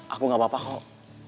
aku gak apa apa kok